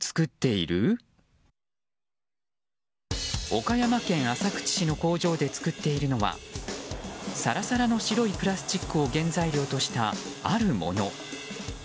岡山県浅口市の工場で作っているのはサラサラの白いプラスチックを原材料とした、あるもの。